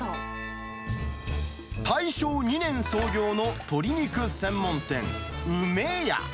大正２年創業の鶏肉専門店、梅や。